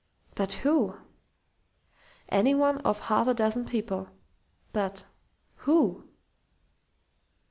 But who? Any one of half a dozen people! But who?